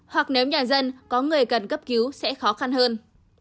hoặc nếu nhà dân có người cần cấp cứu sẽ khó khăn hơn